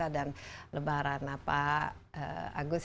dan lebaran pak agus